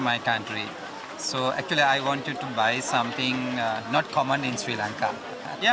sangat sangat berharga bahkan berbanding dengan negara saya